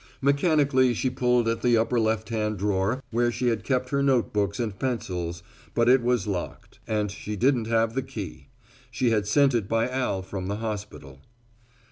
Mechanically she pulled at the upper left hand drawer where she had kept her note books and pencils, but it was locked. And she didn't have the key. She had sent it by Al from the hospital.